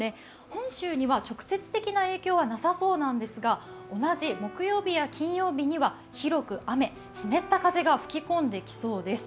本州には直接的な影響はなさそうなんですが同じ木曜日や金曜日には広く雨、湿った風が吹き込んできそうです。